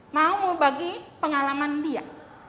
mau berbagi pengalaman dia